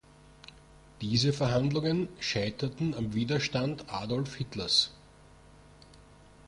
Diese Verhandlungen scheiterten am Widerstand Adolf Hitlers.